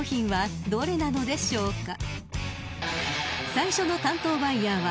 ［最初の担当バイヤーは］